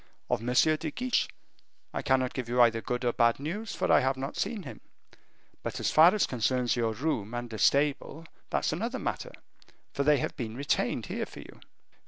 "Of M. de Guiche I cannot give you either good or bad news, for I have not seen him; but as far as concerns your room and a stable, that's another matter, for they have been retained here for you."